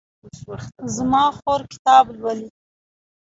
زما خور کتاب لولي